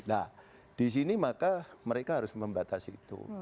nah disini maka mereka harus membatasi itu